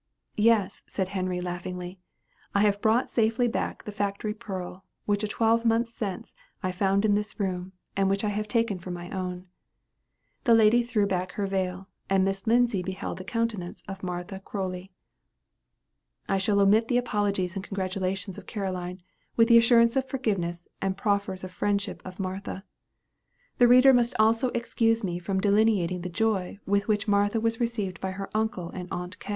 "Yes," said Henry laughingly, "I have brought safely back the Factory Pearl, which a twelvemonth since I found in this room, and which I have taken for my own." The lady threw back her veil, and Miss Lindsay beheld the countenance of Martha Croly. I shall omit the apologies and congratulations of Caroline and the assurance of forgiveness and proffers of friendship of Martha. The reader must also excuse me from delineating the joy with which Martha was received by her uncle and aunt K.